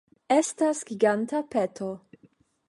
Estas giganta peto